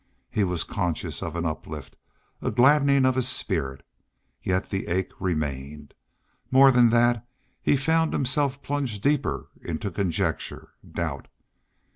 He was conscious of an uplift, a gladdening of his spirit. Yet the ache remained. More than that, he found himself plunged deeper into conjecture, doubt.